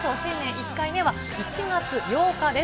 １回目は、１月８日です。